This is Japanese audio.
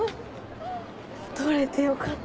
取れてよかったね。